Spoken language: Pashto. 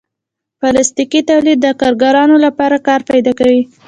پلاستيکي تولید د کارګرانو لپاره کار پیدا کوي.